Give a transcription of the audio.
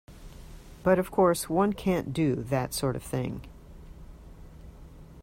But, of course, one can't do that sort of thing.